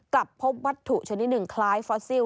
พบวัตถุชนิดหนึ่งคล้ายฟอสซิล